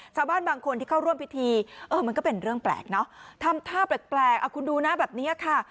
ชาวบ้านบางคนที่เข้าร่วมพิธีมันก็เป็นเรื่องแปลกเนอะ